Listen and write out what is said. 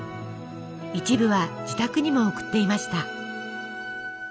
一部は自宅にも送っていました。